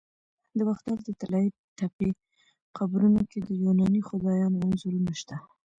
د باختر د طلایی تپې قبرونو کې د یوناني خدایانو انځورونه شته